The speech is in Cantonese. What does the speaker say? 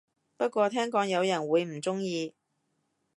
不過聽講有人會唔鍾意